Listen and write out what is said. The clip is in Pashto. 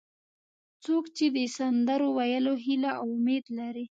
څوک چې د سندرو ویلو هیله او امید لري.